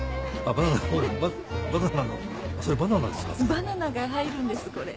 バナナが入るんですこれ。